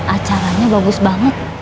acaranya bagus banget